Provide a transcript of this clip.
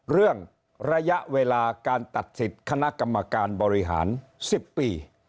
๑เรื่องระยะเวลาการตัดสินขณะกรรมการบริหาร๑๐ปี